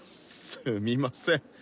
すみません。